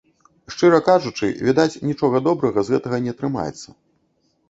Шчыра кажучы, відаць, нічога добрага з гэтага не атрымаецца.